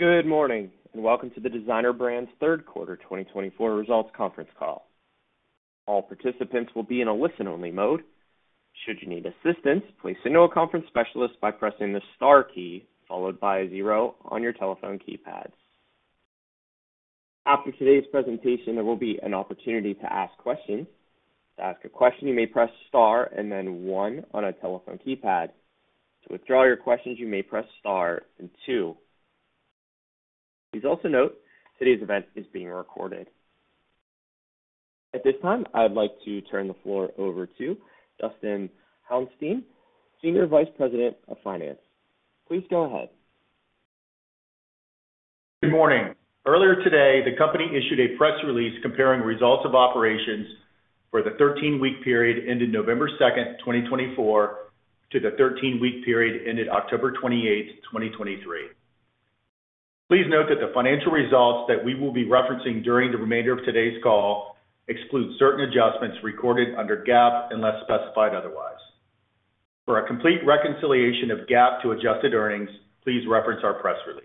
Good morning, and welcome to the Designer Brands third quarter 2024 results conference call. All participants will be in a listen-only mode. Should you need assistance, please signal a conference specialist by pressing the star key followed by a zero on your telephone keypad. After today's presentation, there will be an opportunity to ask questions. To ask a question, you may press star and then one on a telephone keypad. To withdraw your questions, you may press star and two. Please also note today's event is being recorded. At this time, I'd like to turn the floor over to Dustin Hauenstein, Senior Vice President of Finance. Please go ahead. Good morning. Earlier today, the company issued a press release comparing results of operations for the 13-week period ended November 2nd, 2024, to the 13-week period ended October 28th, 2023. Please note that the financial results that we will be referencing during the remainder of today's call exclude certain adjustments recorded under GAAP unless specified otherwise. For a complete reconciliation of GAAP to adjusted earnings, please reference our press release.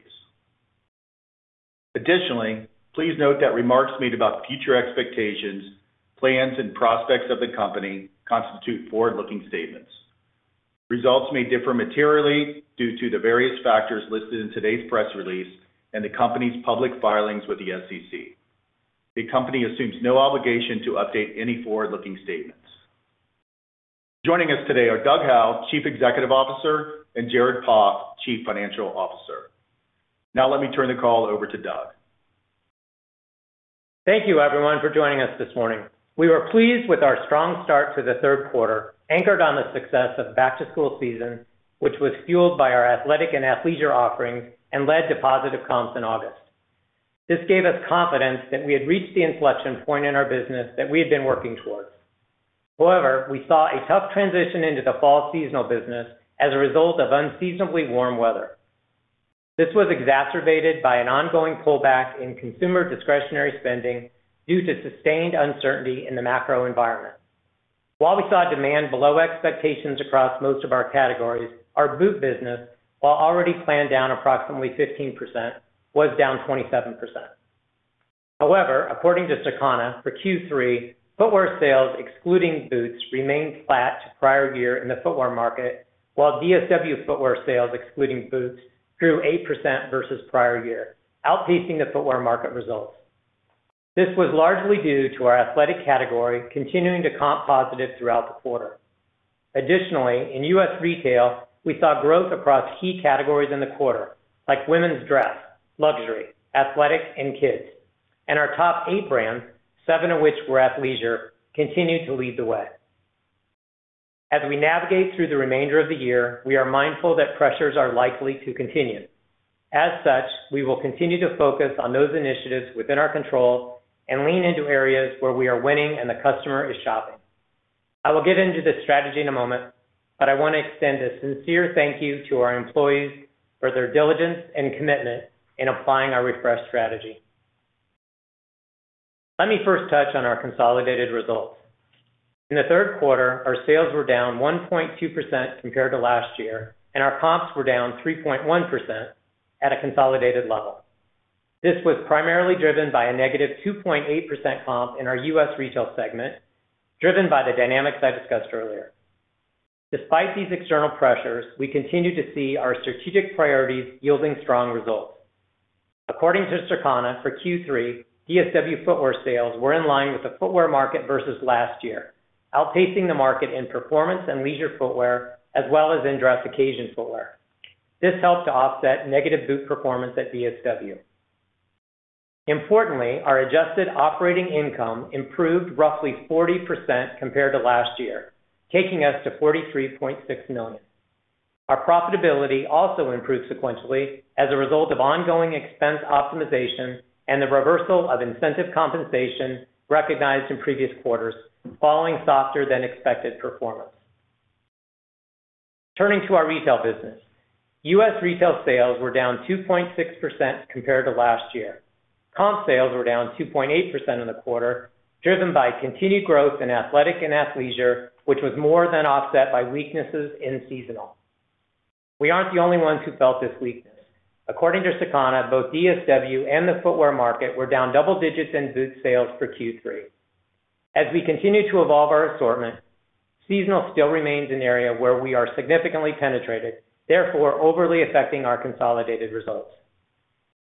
Additionally, please note that remarks made about future expectations, plans, and prospects of the company constitute forward-looking statements. Results may differ materially due to the various factors listed in today's press release and the company's public filings with the SEC. The company assumes no obligation to update any forward-looking statements. Joining us today are Doug Howe, Chief Executive Officer, and Jared Poff, Chief Financial Officer. Now, let me turn the call over to Doug. Thank you, everyone, for joining us this morning. We were pleased with our strong start to the third quarter, anchored on the success of back-to-school season, which was fueled by our athletic and athleisure offerings and led to positive comps in August. This gave us confidence that we had reached the inflection point in our business that we had been working towards. However, we saw a tough transition into the fall seasonal business as a result of unseasonably warm weather. This was exacerbated by an ongoing pullback in consumer discretionary spending due to sustained uncertainty in the macro environment. While we saw demand below expectations across most of our categories, our boot business, while already planned down approximately 15%, was down 27%. However, according to Circana, for Q3, footwear sales excluding boots remained flat to prior year in the footwear market, while DSW footwear sales excluding boots grew 8% versus prior year, outpacing the footwear market results. This was largely due to our athletic category continuing to comp positive throughout the quarter. Additionally, in U.S. retail, we saw growth across key categories in the quarter, like women's dress, luxury, athletic, and kids, and our top eight brands, seven of which were athleisure, continued to lead the way. As we navigate through the remainder of the year, we are mindful that pressures are likely to continue. As such, we will continue to focus on those initiatives within our control and lean into areas where we are winning and the customer is shopping. I will get into the strategy in a moment, but I want to extend a sincere thank you to our employees for their diligence and commitment in applying our refreshed strategy. Let me first touch on our consolidated results. In the third quarter, our sales were down 1.2% compared to last year, and our comps were down 3.1% at a consolidated level. This was primarily driven by a negative 2.8% comp in our U.S. retail segment, driven by the dynamics I discussed earlier. Despite these external pressures, we continue to see our strategic priorities yielding strong results. According to Circana, for Q3, DSW footwear sales were in line with the footwear market versus last year, outpacing the market in performance and leisure footwear, as well as in dress occasion footwear. This helped to offset negative boot performance at DSW. Importantly, our adjusted operating income improved roughly 40% compared to last year, taking us to $43.6 million. Our profitability also improved sequentially as a result of ongoing expense optimization and the reversal of incentive compensation recognized in previous quarters, following softer-than-expected performance. Turning to our retail business, U.S. retail sales were down 2.6% compared to last year. Comp sales were down 2.8% in the quarter, driven by continued growth in athletic and athleisure, which was more than offset by weaknesses in seasonal. We aren't the only ones who felt this weakness. According to Circana, both DSW and the footwear market were down double digits in boot sales for Q3. As we continue to evolve our assortment, seasonal still remains an area where we are significantly penetrated, therefore overly affecting our consolidated results.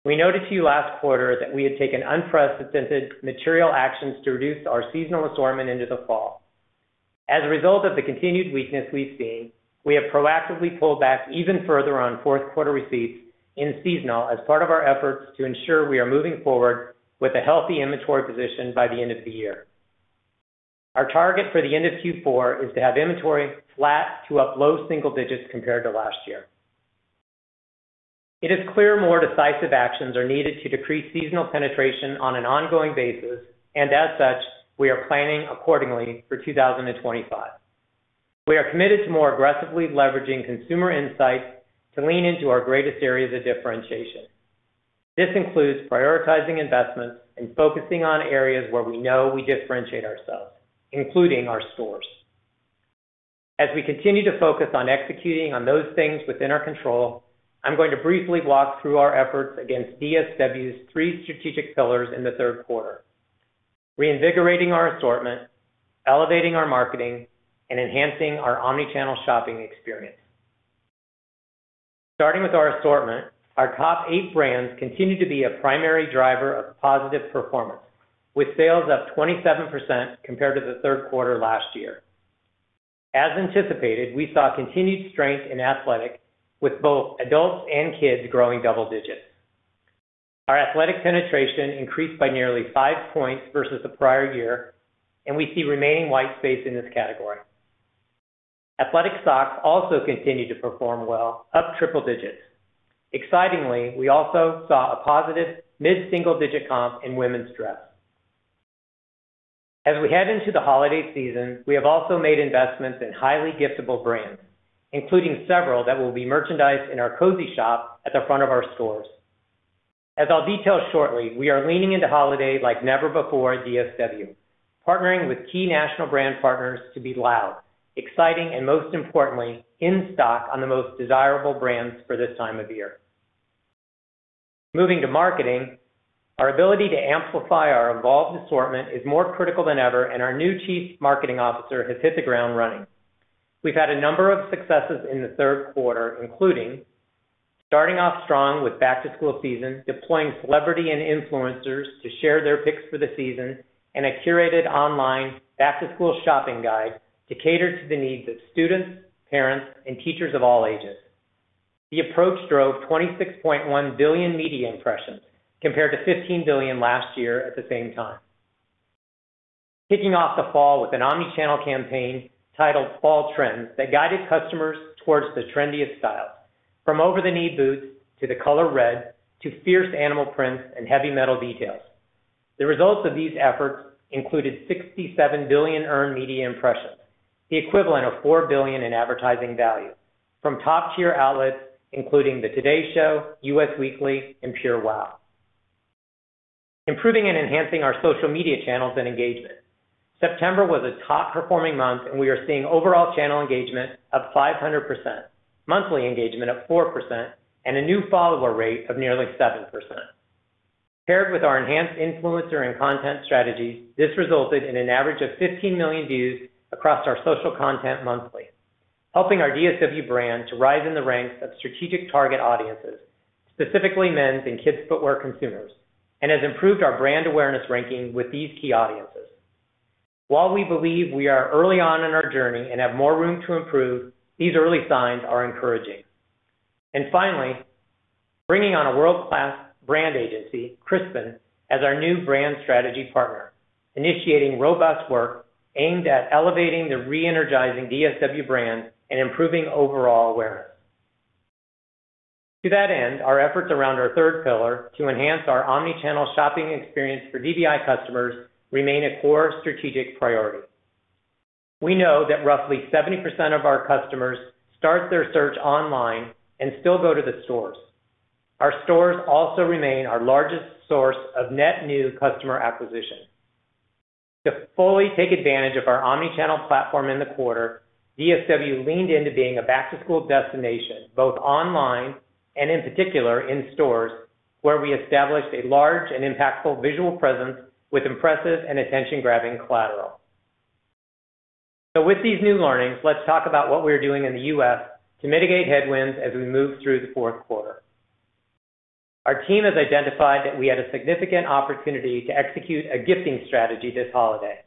We noted to you last quarter that we had taken unprecedented material actions to reduce our seasonal assortment into the fall. As a result of the continued weakness we've seen, we have proactively pulled back even further on fourth quarter receipts in seasonal as part of our efforts to ensure we are moving forward with a healthy inventory position by the end of the year. Our target for the end of Q4 is to have inventory flat to up low single digits compared to last year. It is clear more decisive actions are needed to decrease seasonal penetration on an ongoing basis, and as such, we are planning accordingly for 2025. We are committed to more aggressively leveraging consumer insight to lean into our greatest areas of differentiation. This includes prioritizing investments and focusing on areas where we know we differentiate ourselves, including our stores. As we continue to focus on executing on those things within our control, I'm going to briefly walk through our efforts against DSW's three strategic pillars in the third quarter: reinvigorating our assortment, elevating our marketing, and enhancing our omnichannel shopping experience. Starting with our assortment, our top eight brands continue to be a primary driver of positive performance, with sales up 27% compared to the third quarter last year. As anticipated, we saw continued strength in athletic, with both adults and kids growing double digits. Our athletic penetration increased by nearly five points versus the prior year, and we see remaining white space in this category. Athletic socks also continue to perform well, up triple digits. Excitingly, we also saw a positive mid-single digit comp in women's dress. As we head into the holiday season, we have also made investments in hid in ghly giftable brands, including several that will be merchandise at our Cozy Shop at the front of our stores. As I'll detail shortly, we are leaning into holiday like never before at DSW, partnering with key national brand partners to be loud, exciting, and most importantly, in stock on the most desirable brands for this time of year. Moving to marketing, our ability to amplify our evolved assortment is more critical than ever, and our new Chief Marketing Officer has hit the ground running. We've had a number of successes in the third quarter, including starting off strong with back-to-school season, deploying celebrity and influencers to share their picks for the season, and a curated online back-to-school shopping guide to cater to the needs of students, parents, and teachers of all ages. The approach drove 26.1 billion media impressions compared to 15 billion last year at the same time. Kicking off the fall with an omnichannel campaign titled Fall Trends that guided customers towards the trendiest styles, from over-the-knee boots to the color red to fierce animal prints and heavy metal details. The results of these efforts included 67 billion earned media impressions, the equivalent of $4 billion in advertising value, from top-tier outlets including The Today Show, Us Weekly, and PureWow. Improving and enhancing our social media channels and engagement. September was a top-performing month, and we are seeing overall channel engagement of 500%, monthly engagement at 4%, and a new follower rate of nearly 7%. Paired with our enhanced influencer and content strategies, this resulted in an average of 15 million views across our social content monthly, helping our DSW brand to rise in the ranks of strategic target audiences, specifically men's and kids' footwear consumers, and has improved our brand awareness ranking with these key audiences. While we believe we are early on in our journey and have more room to improve, these early signs are encouraging, and finally, bringing on a world-class brand agency, Crispin, as our new brand strategy partner, initiating robust work aimed at elevating the re-energizing DSW brand and improving overall awareness. To that end, our efforts around our third pillar to enhance our omnichannel shopping experience for DBI customers remain a core strategic priority. We know that roughly 70% of our customers start their search online and still go to the stores. Our stores also remain our largest source of net new customer acquisition. To fully take advantage of our omnichannel platform in the quarter, DSW leaned into being a back-to-school destination, both online and in particular in stores, where we established a large and impactful visual presence with impressive and attention-grabbing collateral. So with these new learnings, let's talk about what we are doing in the U.S. to mitigate headwinds as we move through the fourth quarter. Our team has identified that we had a significant opportunity to execute a gifting strategy this holiday.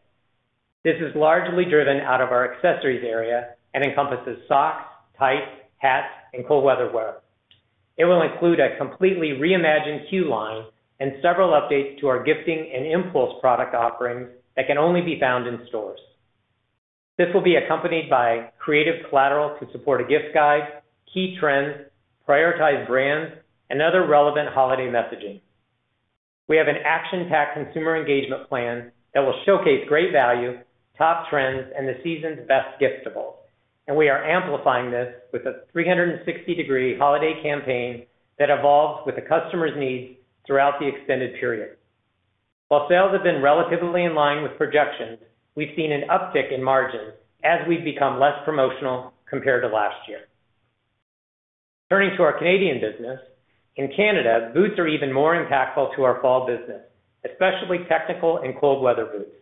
This is largely driven out of our accessories area and encompasses socks, tights, hats, and cold-weather wear. It will include a completely reimagined queue line and several updates to our gifting and impulse product offerings that can only be found in stores. This will be accompanied by creative collateral to support a gift guide, key trends, prioritized brands, and other relevant holiday messaging. We have an action-packed consumer engagement plan that will showcase great value, top trends, and the season's best giftables. And we are amplifying this with a 360-degree holiday campaign that evolves with the customer's needs throughout the extended period. While sales have been relatively in line with projections, we've seen an uptick in margins as we've become less promotional compared to last year. Turning to our Canadian business, in Canada, boots are even more impactful to our fall business, especially technical and cold-weather boots.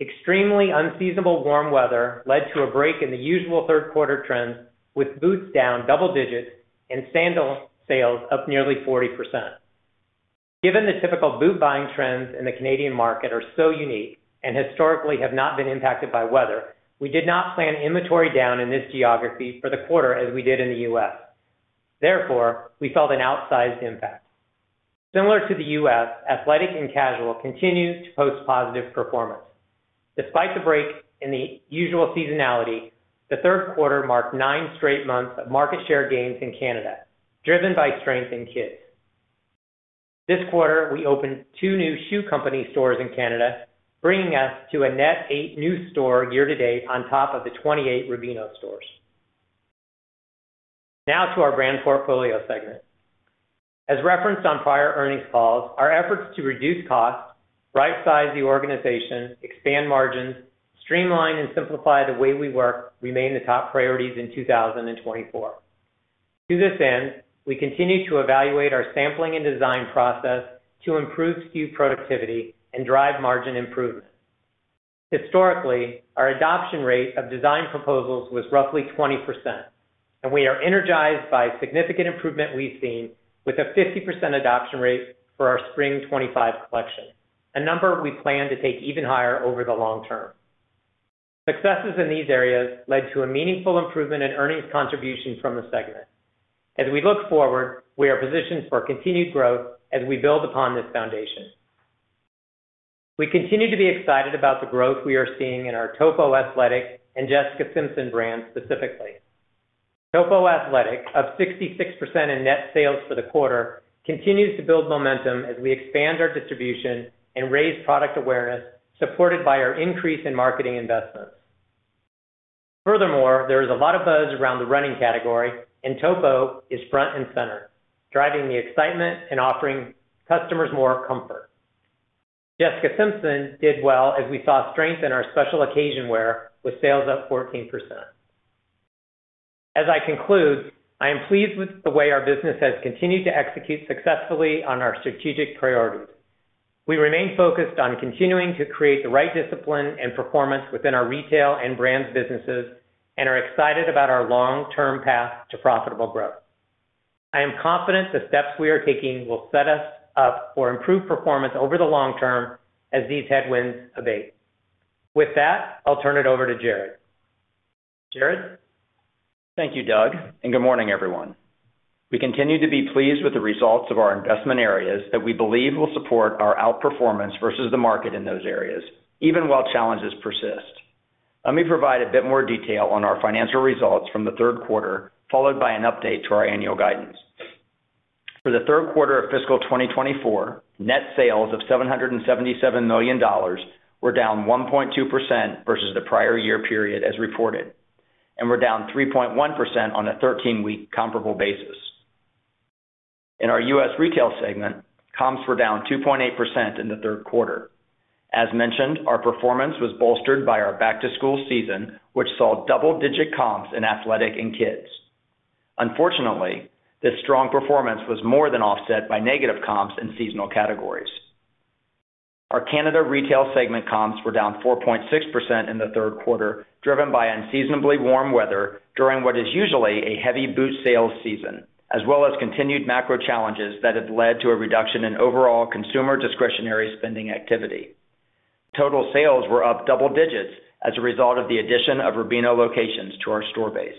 Extremely unseasonable warm weather led to a break in the usual third-quarter trends, with boots down double digits and sandal sales up nearly 40%. Given the typical boot-buying trends in the Canadian market are so unique and historically have not been impacted by weather, we did not plan inventory down in this geography for the quarter as we did in the U.S. Therefore, we felt an outsized impact. Similar to the U.S., athletic and casual continue to post positive performance. Despite the break in the usual seasonality, the third quarter marked nine straight months of market share gains in Canada, driven by strength in kids. This quarter, we opened two new Shoe Company stores in Canada, bringing us to a net eight new stores year-to-date on top of the 28 Rubino stores. Now to our brand portfolio segment. As referenced on prior earnings calls, our efforts to reduce costs, right-size the organization, expand margins, streamline and simplify the way we work remain the top priorities in 2024. To this end, we continue to evaluate our sampling and design process to improve SKU productivity and drive margin improvement. Historically, our adoption rate of design proposals was roughly 20%, and we are energized by significant improvement we've seen with a 50% adoption rate for our Spring '25 collection, a number we plan to take even higher over the long term. Successes in these areas led to a meaningful improvement in earnings contribution from the segment. As we look forward, we are positioned for continued growth as we build upon this foundation. We continue to be excited about the growth we are seeing in our Topo Athletic and Jessica Simpson brands specifically. Topo Athletic, up 66% in net sales for the quarter, continues to build momentum as we expand our distribution and raise product awareness supported by our increase in marketing investments. Furthermore, there is a lot of buzz around the running category, and Topo is front and center, driving the excitement and offering customers more comfort. Jessica Simpson did well as we saw strength in our special occasion wear with sales up 14%. As I conclude, I am pleased with the way our business has continued to execute successfully on our strategic priorities. We remain focused on continuing to create the right discipline and performance within our retail and brands businesses and are excited about our long-term path to profitable growth. I am confident the steps we are taking will set us up for improved performance over the long term as these headwinds abate. With that, I'll turn it over to Jared. Jared? Thank you, Doug, and good morning, everyone. We continue to be pleased with the results of our investment areas that we believe will support our outperformance versus the market in those areas, even while challenges persist. Let me provide a bit more detail on our financial results from the third quarter, followed by an update to our annual guidance. For the third quarter of fiscal 2024, net sales of $777 million were down 1.2% versus the prior year period as reported, and were down 3.1% on a 13-week comparable basis. In our U.S. retail segment, comps were down 2.8% in the third quarter. As mentioned, our performance was bolstered by our back-to-school season, which saw double-digit comps in athletic and kids. Unfortunately, this strong performance was more than offset by negative comps in seasonal categories. Our Canada retail segment comps were down 4.6% in the third quarter, driven by unseasonably warm weather during what is usually a heavy boot sales season, as well as continued macro challenges that have led to a reduction in overall consumer discretionary spending activity. Total sales were up double digits as a result of the addition of Rubino locations to our store base.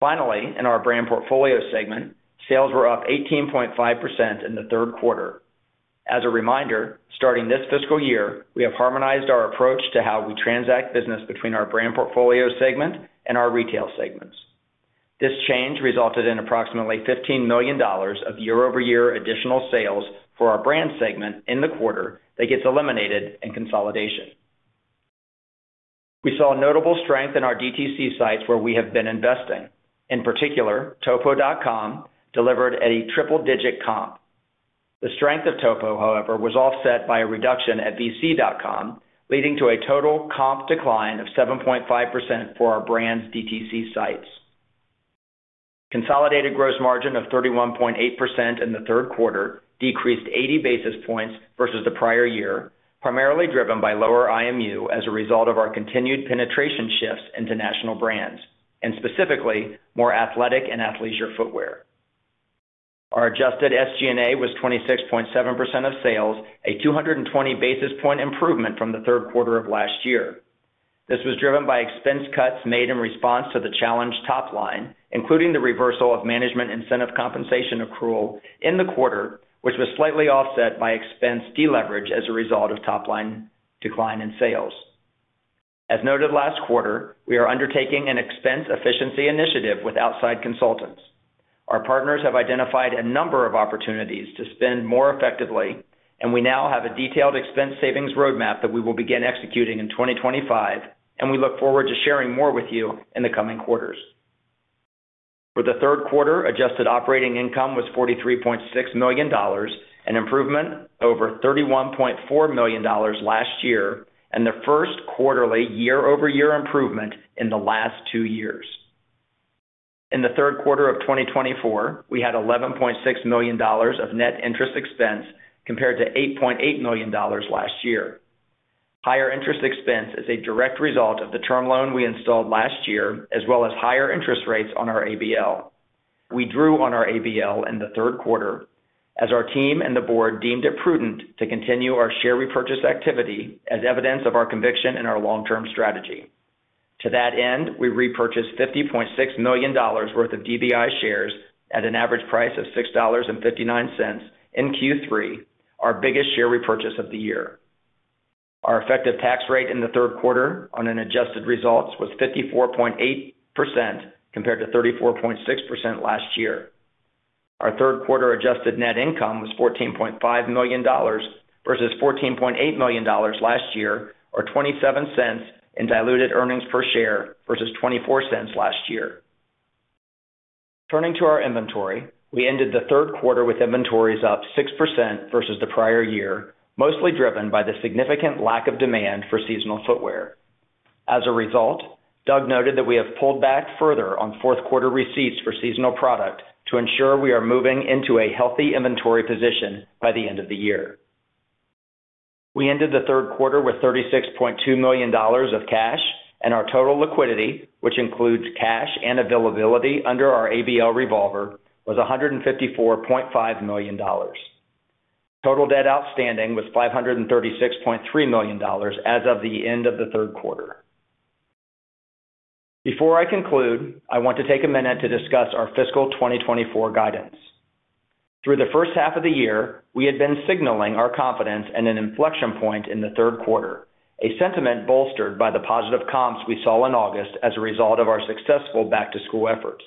Finally, in our brand portfolio segment, sales were up 18.5% in the third quarter. As a reminder, starting this fiscal year, we have harmonized our approach to how we transact business between our brand portfolio segment and our retail segments. This change resulted in approximately $15 million of year-over-year additional sales for our brand segment in the quarter that gets eliminated in consolidation. We saw notable strength in our DTC sites where we have been investing. In particular, Topo.com delivered at a triple-digit comp. The strength of Topo, however, was offset by a reduction at VC.com, leading to a total comp decline of 7.5% for our brand's DTC sites. Consolidated gross margin of 31.8% in the third quarter decreased 80 basis points versus the prior year, primarily driven by lower IMU as a result of our continued penetration shifts into national brands, and specifically more athletic and athleisure footwear. Our adjusted SG&A was 26.7% of sales, a 220 basis point improvement from the third quarter of last year. This was driven by expense cuts made in response to the challenge top line, including the reversal of management incentive compensation accrual in the quarter, which was slightly offset by expense deleverage as a result of top line decline in sales. As noted last quarter, we are undertaking an expense efficiency initiative with outside consultants. Our partners have identified a number of opportunities to spend more effectively, and we now have a detailed expense savings roadmap that we will begin executing in 2025, and we look forward to sharing more with you in the coming quarters. For the third quarter, adjusted operating income was $43.6 million, an improvement over $31.4 million last year, and the first quarterly year-over-year improvement in the last two years. In the third quarter of 2024, we had $11.6 million of net interest expense compared to $8.8 million last year. Higher interest expense is a direct result of the term loan we installed last year, as well as higher interest rates on our ABL. We drew on our ABL in the third quarter, as our team and the board deemed it prudent to continue our share repurchase activity as evidence of our conviction in our long-term strategy. To that end, we repurchased $50.6 million worth of DBI shares at an average price of $6.59 in Q3, our biggest share repurchase of the year. Our effective tax rate in the third quarter on an adjusted results was 54.8% compared to 34.6% last year. Our third quarter adjusted net income was $14.5 million versus $14.8 million last year, or $0.27 in diluted earnings per share versus $0.24 last year. Turning to our inventory, we ended the third quarter with inventories up 6% versus the prior year, mostly driven by the significant lack of demand for seasonal footwear. As a result, Doug noted that we have pulled back further on fourth-quarter receipts for seasonal product to ensure we are moving into a healthy inventory position by the end of the year. We ended the third quarter with $36.2 million of cash, and our total liquidity, which includes cash and availability under our ABL revolver, was $154.5 million. Total debt outstanding was $536.3 million as of the end of the third quarter. Before I conclude, I want to take a minute to discuss our fiscal 2024 guidance. Through the first half of the year, we had been signaling our confidence in an inflection point in the third quarter, a sentiment bolstered by the positive comps we saw in August as a result of our successful back-to-school efforts.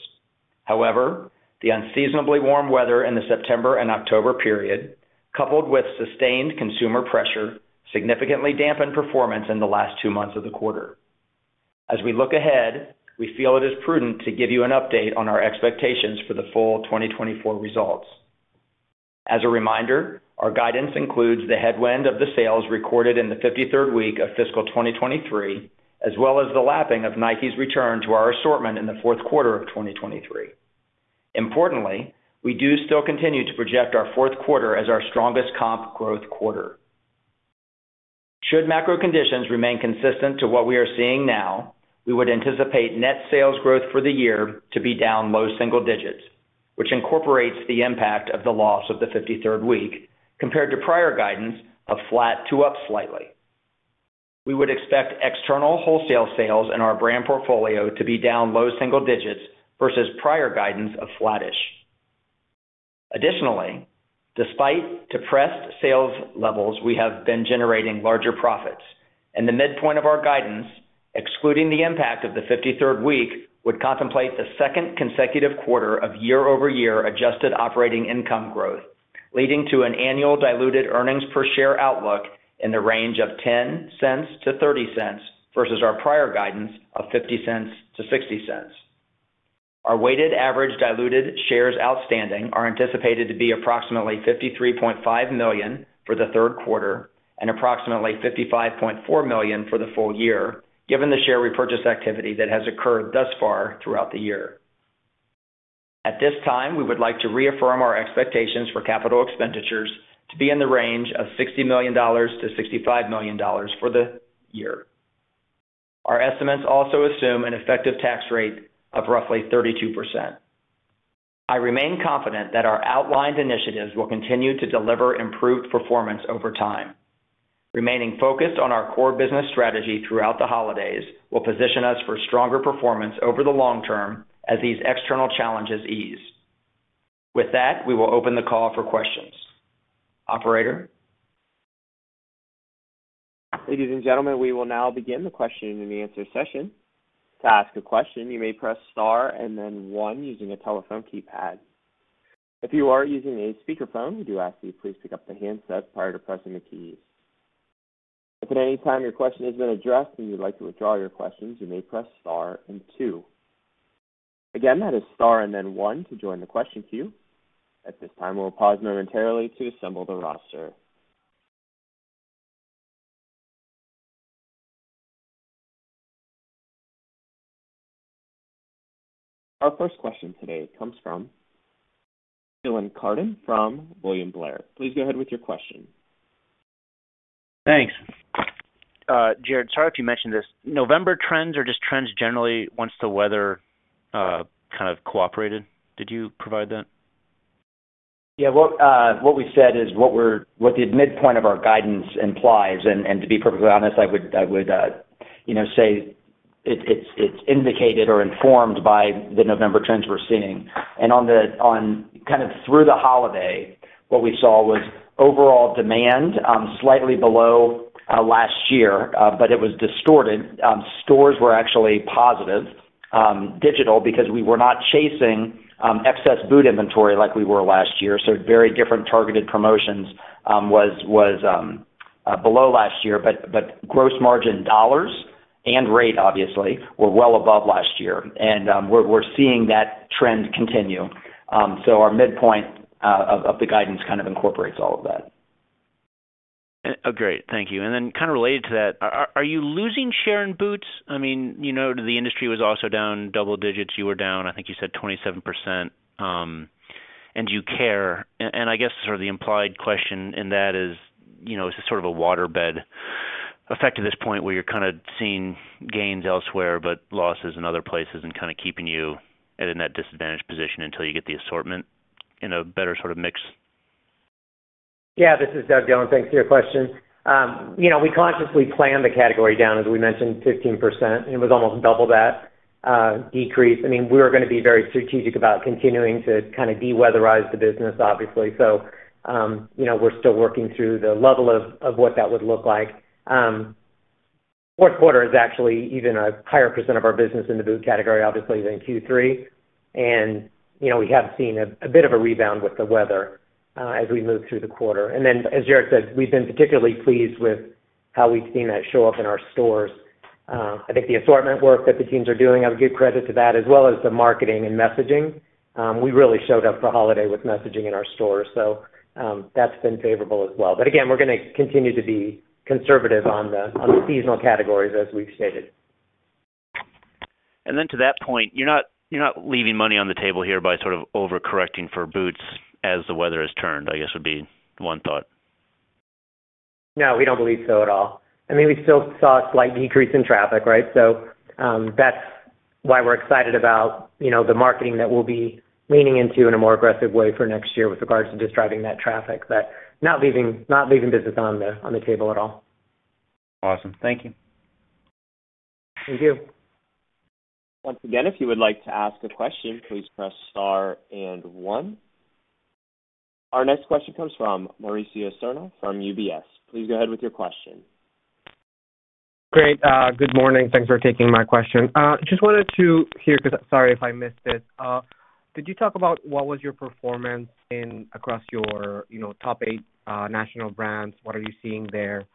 However, the unseasonably warm weather in the September and October period, coupled with sustained consumer pressure, significantly dampened performance in the last two months of the quarter. As we look ahead, we feel it is prudent to give you an update on our expectations for the full 2024 results. As a reminder, our guidance includes the headwind of the sales recorded in the 53rd week of fiscal 2023, as well as the lapping of Nike's return to our assortment in the fourth quarter of 2023. Importantly, we do still continue to project our fourth quarter as our strongest comp growth quarter. Should macro conditions remain consistent to what we are seeing now, we would anticipate net sales growth for the year to be down low single digits, which incorporates the impact of the loss of the 53rd week compared to prior guidance of flat to up slightly. We would expect external wholesale sales in our brand portfolio to be down low single digits versus prior guidance of flattish. Additionally, despite depressed sales levels, we have been generating larger profits, and the midpoint of our guidance, excluding the impact of the 53rd week, would contemplate the second consecutive quarter of year-over-year adjusted operating income growth, leading to an annual diluted earnings per share outlook in the range of $0.10-$0.30 versus our prior guidance of $0.50-$0.60. Our weighted average diluted shares outstanding are anticipated to be approximately 53.5 million for the third quarter and approximately 55.4 million for the full year, given the share repurchase activity that has occurred thus far throughout the year. At this time, we would like to reaffirm our expectations for capital expenditures to be in the range of $60 million-$65 million for the year. Our estimates also assume an effective tax rate of roughly 32%. I remain confident that our outlined initiatives will continue to deliver improved performance over time. Remaining focused on our core business strategy throughout the holidays will position us for stronger performance over the long term as these external challenges ease. With that, we will open the call for questions. Operator? Ladies and gentlemen, we will now begin the question and answer session. To ask a question, you may press Star and then One using a telephone keypad. If you are using a speakerphone, we do ask that you please pick up the handset prior to pressing the keys. If at any time your question has been addressed and you'd like to withdraw your questions, you may press Star and Two. Again, that is Star and then One to join the question queue. At this time, we'll pause momentarily to assemble the roster. Our first question today comes from Dylan Carden from William Blair. Please go ahead with your question. Thanks. Jared, sorry if you mentioned this. November trends or just trends generally once the weather kind of cooperated? Did you provide that? Yeah. What we said is what the midpoint of our guidance implies, and to be perfectly honest, I would say it's indicated or informed by the November trends we're seeing. Kind of through the holiday, what we saw was overall demand slightly below last year, but it was distorted. Stores were actually positive, digital, because we were not chasing excess boot inventory like we were last year. Very different targeted promotions was below last year, but gross margin dollars and rate, obviously, were well above last year. We're seeing that trend continue. Our midpoint of the guidance kind of incorporates all of that. Great. Thank you. Then, kind of related to that, are you losing share in boots? I mean, the industry was also down double digits. You were down, I think you said, 27%. And do you care? And I guess sort of the implied question in that is, is this sort of a waterbed effect to this point where you're kind of seeing gains elsewhere but losses in other places and kind of keeping you at a net disadvantage position until you get the assortment in a better sort of mix? Yeah. This is Doug Howe. Thanks for your question. We consciously planned the category down, as we mentioned, 15%. It was almost double that decrease. I mean, we were going to be very strategic about continuing to kind of de-weatherize the business, obviously. So we're still working through the level of what that would look like. Fourth quarter is actually even a higher % of our business in the boot category, obviously, than Q3, and we have seen a bit of a rebound with the weather as we move through the quarter, and then, as Jared said, we've been particularly pleased with how we've seen that show up in our stores. I think the assortment work that the teams are doing, I would give credit to that, as well as the marketing and messaging. We really showed up for holiday with messaging in our stores, so that's been favorable as well, but again, we're going to continue to be conservative on the seasonal categories as we've stated, and then to that point, you're not leaving money on the table here by sort of overcorrecting for boots as the weather has turned, I guess would be one thought. No, we don't believe so at all. I mean, we still saw a slight decrease in traffic, right? So that's why we're excited about the marketing that we'll be leaning into in a more aggressive way for next year with regards to just driving that traffic, but not leaving business on the table at all. Awesome. Thank you. Thank you. Once again, if you would like to ask a question, please press Star and One. Our next question comes from Mauricio Serna from UBS. Please go ahead with your question. Great. Good morning. Thanks for taking my question. Just wanted to hear, because sorry if I missed this, did you talk about what was your performance across your top eight national brands? What are you seeing there?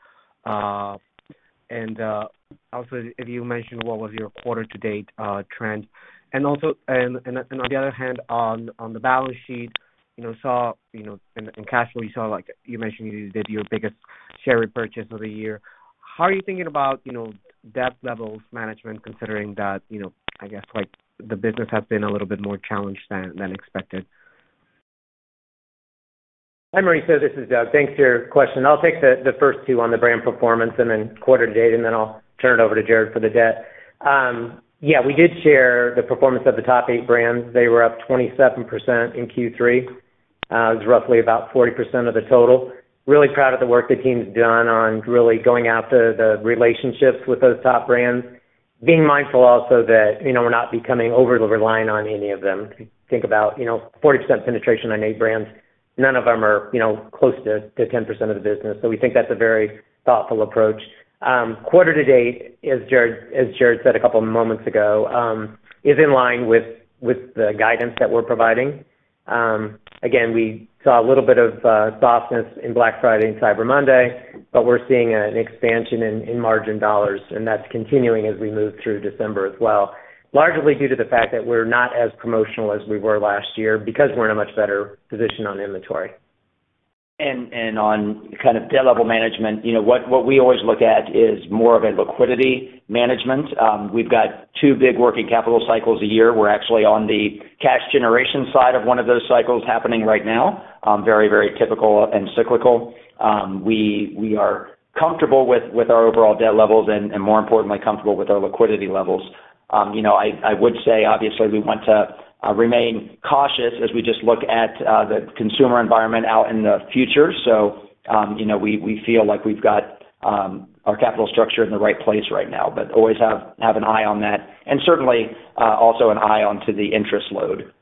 And also, if you mentioned what was your quarter-to-date trend. On the other hand, on the balance sheet, in cash flow, you mentioned you did your biggest share repurchase of the year. How are you thinking about debt levels management considering that, I guess, the business has been a little bit more challenged than expected? Hi, Mauricio. This is Doug. Thanks for your question. I'll take the first two on the brand performance and then quarter-to-date, and then I'll turn it over to Jared for the debt. Yeah. We did share the performance of the top eight brands. They were up 27% in Q3. It was roughly about 40% of the total. Really proud of the work the team's done on really going after the relationships with those top brands, being mindful also that we're not becoming overly reliant on any of them. Think about 40% penetration on eight brands. None of them are close to 10% of the business, so we think that's a very thoughtful approach. Quarter-to-date, as Jared said a couple of moments ago, is in line with the guidance that we're providing. Again, we saw a little bit of softness in Black Friday and Cyber Monday, but we're seeing an expansion in margin dollars, and that's continuing as we move through December as well, largely due to the fact that we're not as promotional as we were last year because we're in a much better position on inventory, and on kind of debt level management, what we always look at is more of a liquidity management. We've got two big working capital cycles a year. We're actually on the cash generation side of one of those cycles happening right now, very, very typical and cyclical. We are comfortable with our overall debt levels and, more importantly, comfortable with our liquidity levels. I would say, obviously, we want to remain cautious as we just look at the consumer environment out in the future. So we feel like we've got our capital structure in the right place right now, but always have an eye on that and certainly also an eye onto the interest load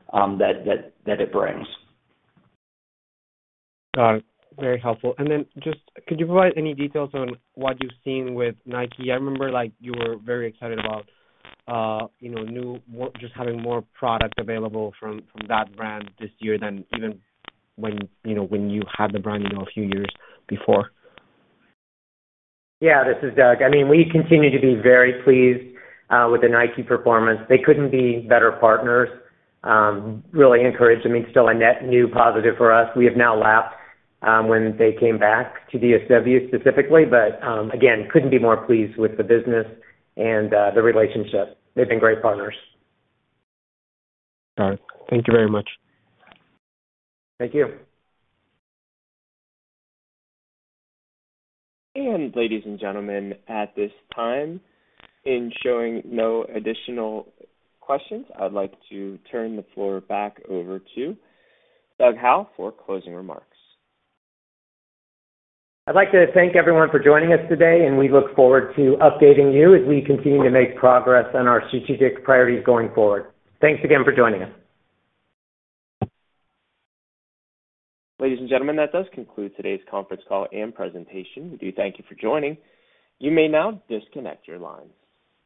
that it brings. Got it. Very helpful. And then just could you provide any details on what you've seen with Nike? I remember you were very excited about just having more product available from that brand this year than even when you had the brand a few years before. Yeah. This is Doug. I mean, we continue to be very pleased with the Nike performance. They couldn't be better partners. Really encouraged. I mean, still a net new positive for us. We have now lapped when they came back to DSW specifically, but again, couldn't be more pleased with the business and the relationship. They've been great partners. Got it. Thank you very much. Thank you. And ladies and gentlemen, at this time, in showing no additional questions, I'd like to turn the floor back over to Doug Howe for closing remarks. I'd like to thank everyone for joining us today, and we look forward to updating you as we continue to make progress on our strategic priorities going forward. Thanks again for joining us. Ladies and gentlemen, that does conclude today's conference call and presentation. We do thank you for joining. You may now disconnect your lines.